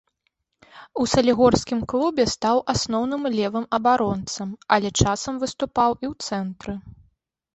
У салігорскім клубе стаў асноўным левым абаронцам, але часам выступаў і ў цэнтры.